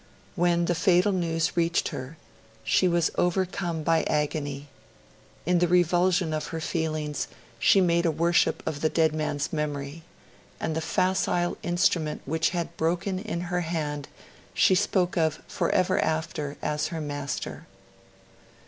When the fatal news reached her, she was overcome by agony. In the revulsion of her feelings, she made a worship of the dead man's memory; and the facile instrument which had broken in her hand she spoke of forever after as her 'Master'.